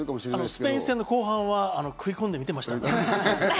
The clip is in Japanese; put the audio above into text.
スペイン戦の後半は食い込んで見てました。